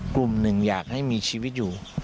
กลุ่มหนึ่งอยากให้มีชีวิตอยู่